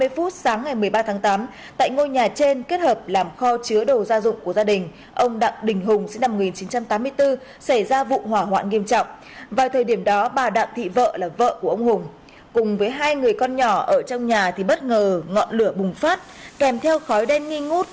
vì con nhỏ ở trong nhà thì bất ngờ ngọn lửa bùng phát kèm theo khói đen nghi ngút